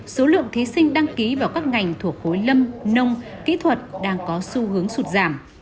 số lượng thí sinh đăng ký vào các ngành thuộc khối lâm nông kỹ thuật đang có xu hướng sụt giảm